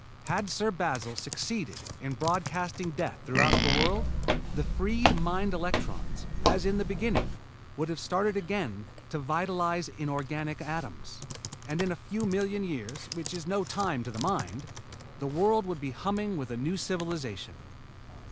Had Sir Basil succeeded in broadcasting death throughout the world, the freed mind electrons, as in the beginning, would have started again to vitalize inorganic atoms. And, in a few million years, which is no time to the Mind, the world would be humming with a new civilization.